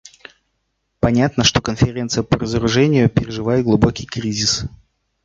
Понятно, что Конференция по разоружению переживает глубокий кризис.